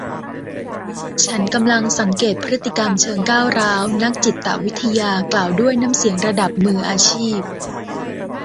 ฉันกำลังสังเกตพฤติกรรมเชิงก้าวร้าวนักจิตวิทยากล่าวด้วยน้ำเสียงระดับมืออาชีพ